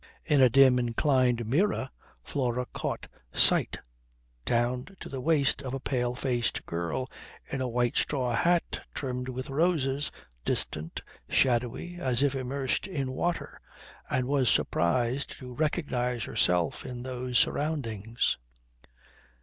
In a dim inclined mirror, Flora caught sight down to the waist of a pale faced girl in a white straw hat trimmed with roses, distant, shadowy, as if immersed in water, and was surprised to recognize herself in those surroundings.